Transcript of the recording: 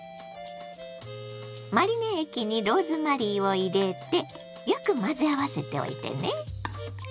マリネ液にローズマリーを入れてよく混ぜ合わせておいてね。